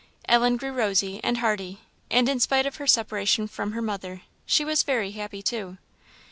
Ellen grew rosy, and hardy, and in spite of her separation from her mother, she was very happy, too.